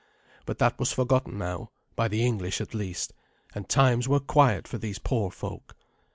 But that was forgotten now, by the English at least, and times were quiet for these poor folk.